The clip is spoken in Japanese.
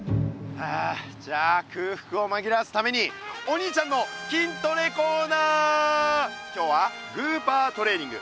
じゃくうふくをまぎらわすために「お兄ちゃんの筋トレコーナー」。今日はグーパートレーニング！